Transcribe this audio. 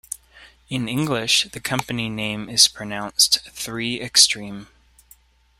In English the company name is pronounced "Three-Extreme".